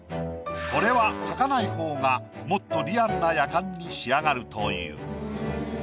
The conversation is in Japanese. これは描かない方がもっとリアルなやかんに仕上がるという。